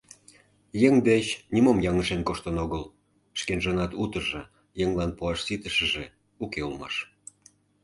Еҥ деч нимом яҥышен коштын огыл, шкенжынат утыжо, еҥлан пуаш ситышыже уке улмаш.